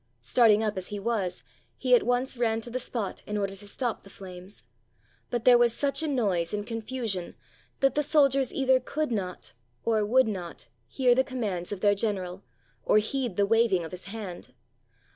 Starting up as he was, he at once ran to the spot in order to stop the flames. But there was such a noise and con fusion that the soldiers either could not or would not hear the commands of their general, or heed the waving of his hand.